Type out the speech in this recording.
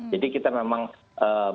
jadi kita memang berpikir